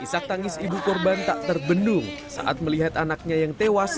isak tangis ibu korban tak terbendung saat melihat anaknya yang tewas